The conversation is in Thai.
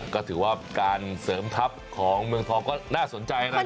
ก็ถือว่าการเสริมทัพของเมืองทองก็น่าสนใจนะครับ